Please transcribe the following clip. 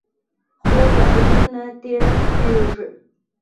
خور د عیبونو نه تېره کېږي.